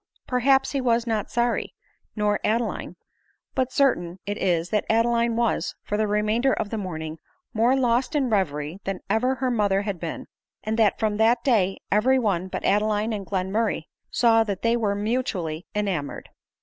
Perhaps he wa§ not sorry — nor Adeline ; but certain it is that 'Adeline was, for the remainder of the morning, more lost in reverie than ever her mother had been ; and that from that day, every one, but Ade line and Glenmurray, saw that they were mutually en amoured.